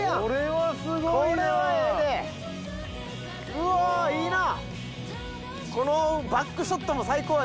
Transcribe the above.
うわいいなぁ！